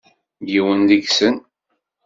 Yiwen deg-sen.